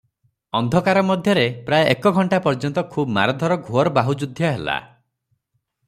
ଅନ୍ଧକାର ମଧ୍ୟରେ ପ୍ରାୟ ଏକ ଘଣ୍ଟା ପର୍ଯ୍ୟନ୍ତ ଖୁବ ମାରଧର ଘୋର ବାହୁଯୁଦ୍ଧ ହେଲା ।